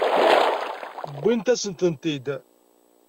Wwint-asent-tent-id.